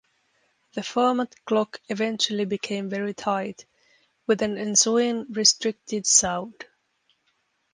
The format clock eventually became very tight, with an ensuing restricted sound.